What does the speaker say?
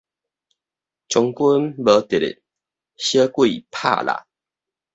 將軍無佇得，小鬼拍獵